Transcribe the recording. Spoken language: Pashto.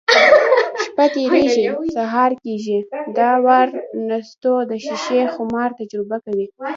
شپه تېرېږي، سهار کېږي. دا وار نستوه د شیشې خمار تجربه کوي: